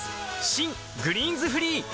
新「グリーンズフリー」